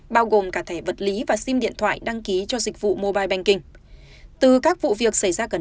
bao gồm cả thẻ vật lý và sim điện thoại đăng ký cho dịch vụ mobile banking